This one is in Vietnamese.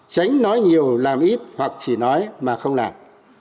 tránh nói nhiều làm ít hoặc chỉ nói mà không làm